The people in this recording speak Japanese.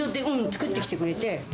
作ってきてくれて。